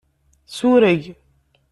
Sureg.